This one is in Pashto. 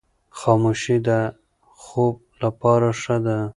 خاموشي د خوب لپاره ښه ده.